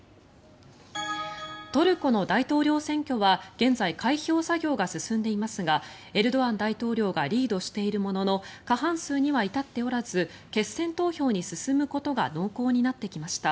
トルコの大統領選挙は現在、開票作業が進んでいますがエルドアン大統領がリードしているものの過半数には至っておらず決選投票に進むことが濃厚になってきました。